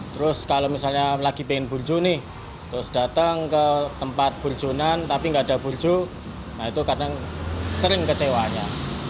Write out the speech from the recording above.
terus kalau misalnya lagi pengen burjo nih terus datang ke tempat burjonan tapi nggak ada burjo nah itu kadang sering kecewanya